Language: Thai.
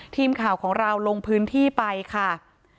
ทีมข่าวของเราลงพื้นที่ไปค่ะ